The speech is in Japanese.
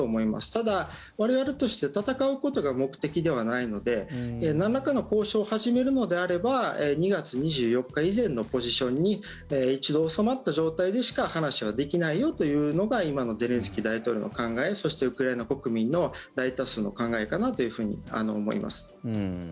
ただ、我々として戦うことが目的ではないのでなんらかの交渉を始めるのであれば２月２４日以前のポジションに一度収まった状態でしか話はできないよというのが今のゼレンスキー大統領の考えそして、ウクライナ国民の大多数の考えかなと思います。